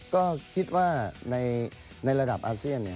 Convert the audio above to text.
ก็คิดว่าในระดับอาเซียน